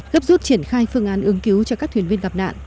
gấp rút triển khai phương án ứng cứu cho các thuyền viên gặp nạn